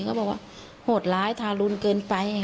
เขาบอกว่าโหดร้ายทารุณเกินไป